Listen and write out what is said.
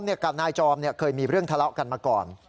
กับนายจอมเคยมีเรื่องทะเลาะกันมาก่อน